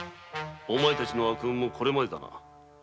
お前たちの悪運もこれまでだな。